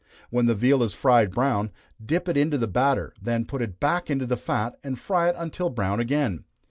When the veal is fried brown, dip it into the batter, then put it back into the fat, and fry it until brown again.